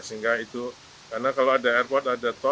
sehingga itu karena kalau ada airport ada tol